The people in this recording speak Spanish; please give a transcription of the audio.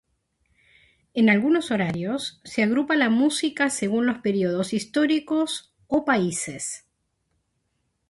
En algunos horarios se agrupa la música según los períodos históricos o países.